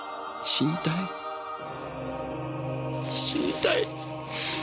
死にたい死にたい。